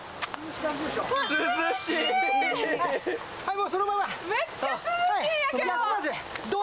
もうそのまま！